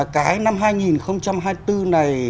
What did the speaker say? cái năm hai nghìn hai mươi bốn này